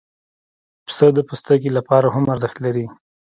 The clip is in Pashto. پسه د پوستکي لپاره هم ارزښت لري.